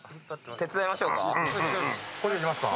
手伝いましょうか？